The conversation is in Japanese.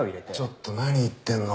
ちょっと何言ってんのか。